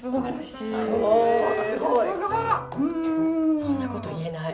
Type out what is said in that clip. そんなこと言えない。